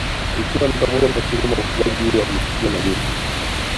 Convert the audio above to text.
Ikiwa ni pamoja na kilimo ufugaji wa mifugo na nyuki